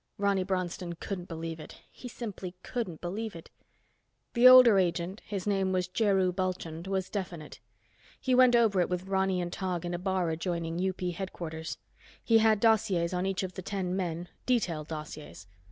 Ronny Bronston couldn't believe it. He simply couldn't believe it. The older agent, his name was Jheru Bulchand, was definite. He went over it with Ronny and Tog in a bar adjoining UP headquarters. He had dossiers on each of the ten men, detailed dossiers.